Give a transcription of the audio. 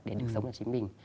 để được sống là chính mình